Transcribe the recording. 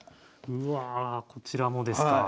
うわこちらもですか。